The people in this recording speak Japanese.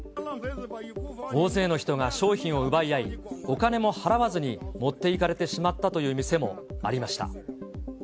大勢の人が商品を奪い合い、お金も払わずに持っていかれてしまったという店もありました。